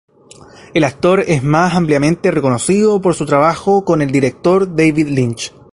El actor es más ampliamente reconocido por su trabajo con el director David Lynch.